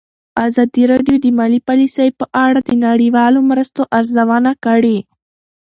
ازادي راډیو د مالي پالیسي په اړه د نړیوالو مرستو ارزونه کړې.